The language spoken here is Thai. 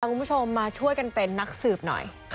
คุณผู้ชมมาช่วยกันเป็นนักสืบหน่อย